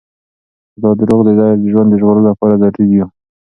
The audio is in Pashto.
خو دا دروغ د ده د ژوند د ژغورلو لپاره ضروري وو.